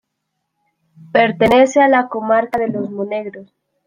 Pertenece a la comarca de los Monegros.